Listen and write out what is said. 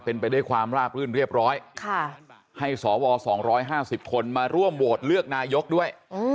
เป็นไปด้วยความราบรื่นเรียบร้อยให้สว๒๕๐คนมาร่วมโหวตเลือกนายกด้วย